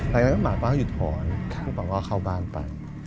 แล้วก็หมาห้องหยุดผ่อนพี่เป๋าก็เข้าบ้านไป